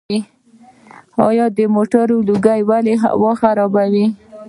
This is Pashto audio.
آیا د موټرو لوګی هوا نه خرابوي؟